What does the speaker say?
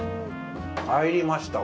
参りました。